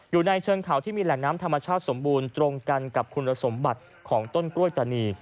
อยู่ในเชิงเขาที่มีแหล่งน้ำธรรมชาติสมบูรณ์ตรงกันกับคุณสมบัติของต้นกล้วยตานี